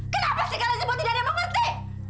kenapa sih kalian semua tidak ada yang mengerti